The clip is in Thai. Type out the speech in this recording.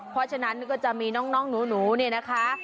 เพราะฉะนั้นก็จะมีน้องหนูเนี่ยนะคะ